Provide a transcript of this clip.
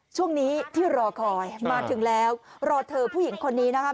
ช่วงนี้ที่รอคอยมาถึงแล้วรอเธอผู้หญิงคนนี้นะครับ